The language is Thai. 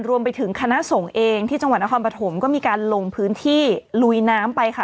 รวมไปถึงคณะสงฆ์เองที่จังหวัดนครปฐมก็มีการลงพื้นที่ลุยน้ำไปค่ะ